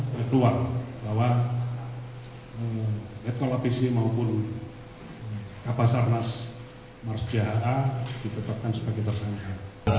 kita keluar bahwa eko lapc maupun kapasarnas mars jha ditetapkan sebagai tersangka